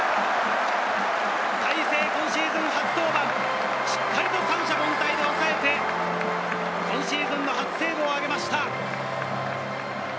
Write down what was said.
大勢、今シーズン初登板、しっかりと三者凡退で抑えて、今シーズンの初セーブを挙げました。